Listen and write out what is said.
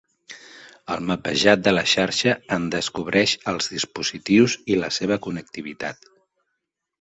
El mapejat de la xarxa en descobreix els dispositius i la seva connectivitat.